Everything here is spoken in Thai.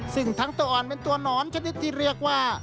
ซึ่งทั้งตัวอ่อนเป็นตัวหนอนชนิดที่เรียกว่า